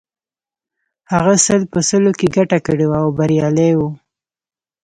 هغه سل په سلو کې ګټه کړې وه او بریالی و